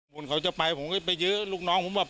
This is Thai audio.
คนเขาจะไปผมก็ไปยื้อลูกน้องผมแบบ